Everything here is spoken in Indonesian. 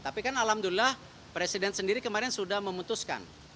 tapi kan alhamdulillah presiden sendiri kemarin sudah memutuskan